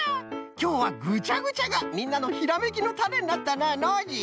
きょうはぐちゃぐちゃがみんなのひらめきのタネになったなノージー。